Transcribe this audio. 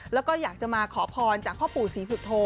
แล้วก็อยากจะมาขอพรจากพ่อปู่ศรีสุโธ